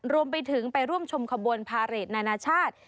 รวมไปถึงไปร่วมชมขบวนพาเรทนานาชาติ